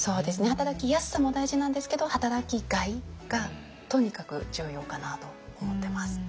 働きやすさも大事なんですけど働きがいがとにかく重要かなと思ってます。